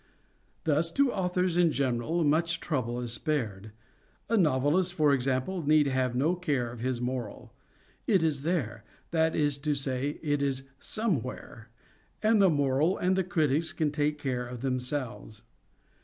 Thus to authors in general much trouble is spared. A novelist, for example, need have no care of his moral. It is there—that is to say, it is somewhere—and the moral and the critics can take care of themselves.